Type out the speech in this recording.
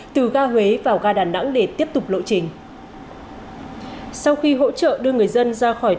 từ ga huế vào ga đà nẵng